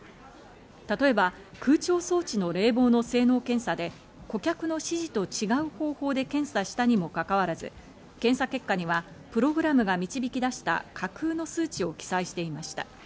例えば空調装置の冷房の性能検査で顧客の指示と違う方法で検査したにもかかわらず検査結果にはプログラムが導き出した架空の数値を記載していました。